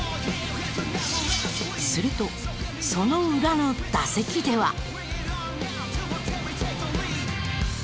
するとその裏の打席では。